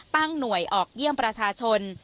ตั้งหน่วยออกเยี่ยมประชาชน